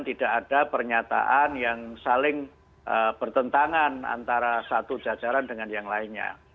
tidak ada pernyataan yang saling bertentangan antara satu jajaran dengan yang lainnya